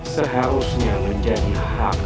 seharusnya menjadi hak